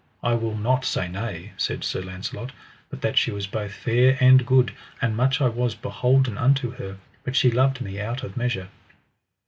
I will not say nay, said Sir Launcelot, but that she was both fair and good, and much I was beholden unto her, but she loved me out of measure.